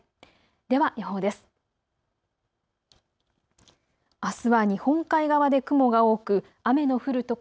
では予報です。